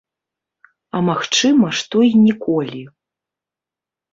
А магчыма, што і ніколі.